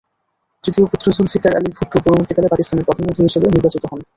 তৃতীয় পুত্র জুলফিকার আলী ভুট্টো পরবর্তীকালে পাকিস্তানের প্রধানমন্ত্রী হিসেবে নির্বাচিত হন।